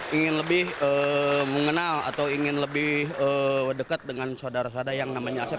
ingin lebih mengenal atau ingin lebih dekat dengan saudara saudara yang namanya asep